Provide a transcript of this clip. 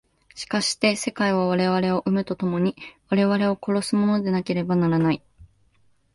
しかして世界は我々を生むと共に我々を殺すものでなければならない。